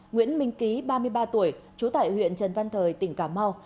nguyễn minh ký ba mươi ba tuổi trú tại huyện trần văn thời tỉnh cà mau